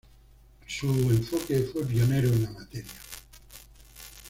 Su enfoque fue pionero en la materia.